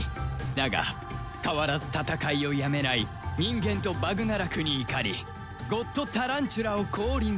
だが変わらず戦いをやめない人間とバグナラクに怒りゴッドタランチュラを降臨させる